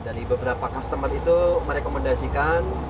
dari beberapa customer itu merekomendasikan